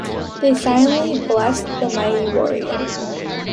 They silently blessed the mighty warrior.